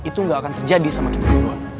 itu gak akan terjadi sama kita duluan